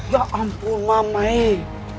ya ampun mama eh